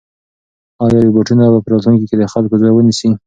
ایا روبوټونه به په راتلونکي کې د خلکو ځای ونیسي؟